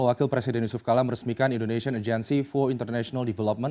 wakil presiden yusuf kala meresmikan indonesian agency for international development